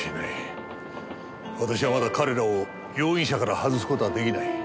私はまだ彼らを容疑者から外す事は出来ない。